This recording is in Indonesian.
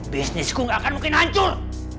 bisnisku nggak akan mungkin hancur